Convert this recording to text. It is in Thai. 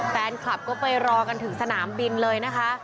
แฟนคลับก็ไปรอกันถึงสนามบินเลยนะคะ